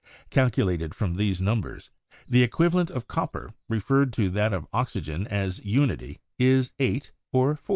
Calculated from these numbers, the equivalent of copper, referred to that of oxygen as unity, is 8 or 4.